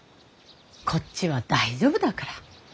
こっちは大丈夫だから。